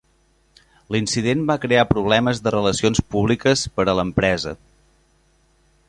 L'incident va crear problemes de relacions públiques per a l'empresa.